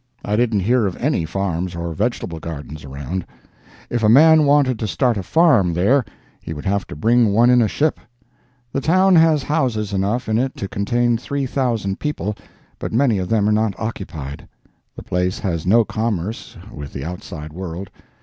I didn't hear of any farms or vegetable gardens around. If a man wanted to start a farm there, he would have to bring one in a ship. The town has houses enough in it to contain 3,000 people, but many of them are not occupied. The place has no commerce with the outside world.